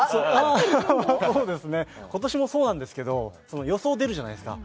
今年もそうなんですけど予想が出るじゃないですか。